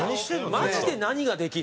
マジで何ができるの？